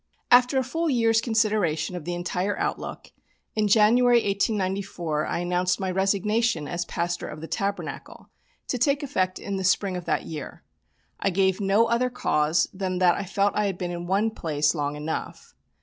After a full year's consideration of the entire outlook, in January, 1894, I announced my resignation as pastor of the Tabernacle, to take effect in the spring of that year. I gave no other cause than that I felt that I had been in one place long enough.